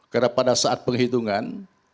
karena pada saat penghitungan